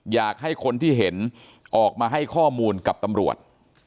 อยากให้คนที่เห็นออกมาให้ข้อมูลกับตำรวจ